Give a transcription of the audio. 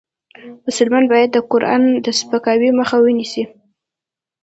مسلمان باید د قرآن د سپکاوي مخه ونیسي .